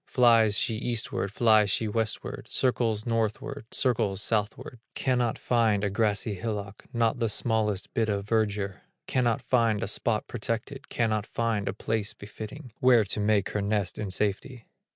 Flies she eastward, flies she westward, Circles northward, circles southward, Cannot find a grassy hillock, Not the smallest bit of verdure; Cannot find a spot protected, Cannot find a place befitting, Where to make her nest in safety.